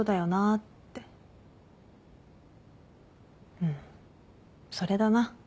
うんそれだな。